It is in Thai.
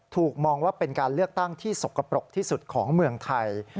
ถูกมองว่าเป็นการเลือกตั้งที่สกปรกที่สุดของเมืองไทย